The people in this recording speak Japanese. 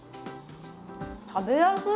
食べやすい！